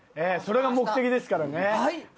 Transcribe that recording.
それが目的ですからね。